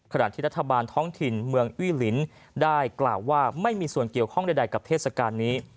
ขณะที่รัฐบาลท้องถิ่นเมืองอุ้ยลินได้กล่าวว่าไม่มีส่วนเกี่ยวข้องใดกับเทศกาลนี้